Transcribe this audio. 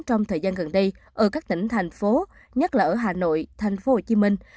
trong thời gian gần đây ở các tỉnh thành phố nhất là ở hà nội thành phố hồ chí minh